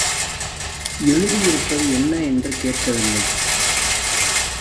எழுதியிருப்பது என்ன என்று கேட்கவில்லை.